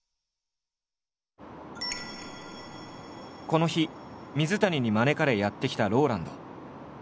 この日水谷に招かれやって来たＲＯＬＡＮＤ。